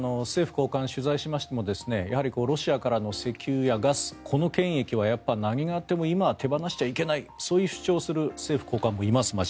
政府高官を取材しましてもやはりロシアからの石油やガスこの権益をやっぱり何があっても今は手放しちゃいけないそういう主張をする政府高官もいます。